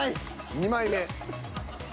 ２枚目。